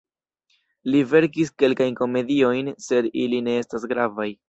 Li verkis kelkajn komediojn, sed ili ne estas gravaj.